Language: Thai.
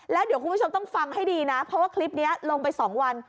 แล้วเดี๋ยวคุณผู้ชมต้องฟังให้ดีนะเพราะว่าคลิปนี้ลงไป๒วัน